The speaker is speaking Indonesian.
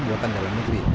buatan dalam negeri